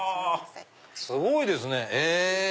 すごいですね！